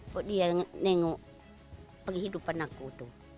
kalau dia nengok kehidupan aku tuh